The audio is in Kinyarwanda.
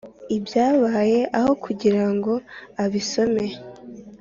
ibyabaye aho kugira ngo abisome